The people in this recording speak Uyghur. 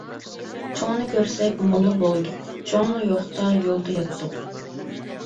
چوڭنى كۆرسەك موللا بولدۇق، چوڭلا يوقتا يولدا ياتتۇق.